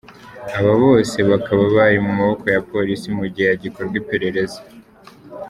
Aba bose bakaba bari mu maboko ya Polisi mu gihe hagikorwa iperereza.